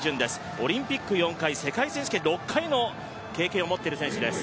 オリンピック４回、世界選手権６回の経験を持っている選手です。